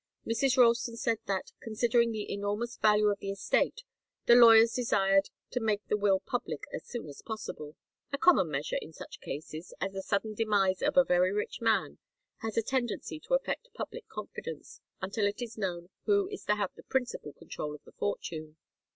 Mrs. Ralston said that, considering the enormous value of the estate, the lawyers desired to make the will public as soon as possible a common measure in such cases, as the sudden demise of very rich men has a tendency to affect public confidence, until it is known who is to have the principal control of the fortune.